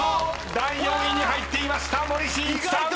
第４位に入っていました森進一さん］